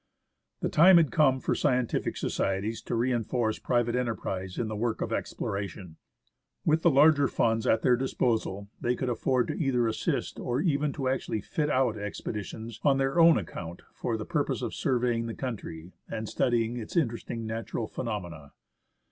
The time had come for scientific societies to reinforce private enterprise in the work of exploration. With the larger funds at their disposal they could afford to either assist or even to actually fit out expeditions on their own account for the purpose of surveying the country, and studying its interesting natural phe nomena.